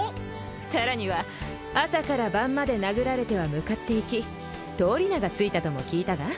さらには朝から晩まで殴られては向かっていき通り名がついたとも聞いたが？